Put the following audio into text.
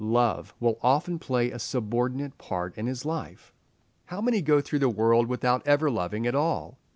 Love will often play a subordinate part in his life. How many go through the world without ever loving at all?